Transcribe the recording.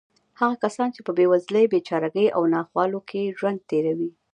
هغه کسان چې په بېوزلۍ، بېچارهګۍ او ناخوالو کې ژوند تېروي.